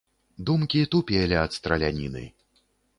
Думкі тупелі ад страляніны.